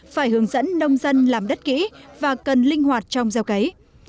phải hướng dẫn nông dân làm đất kỹ và cần linh hoạt trong gieo cấy